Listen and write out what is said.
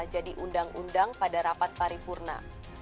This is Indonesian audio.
jadi undang undang pada rapat paripurna